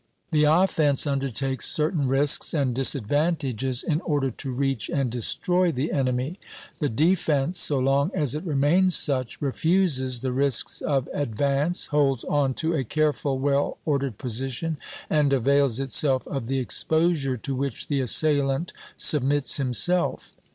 The offence undertakes certain risks and disadvantages in order to reach and destroy the enemy; the defence, so long as it remains such, refuses the risks of advance, holds on to a careful, well ordered position, and avails itself of the exposure to which the assailant submits himself.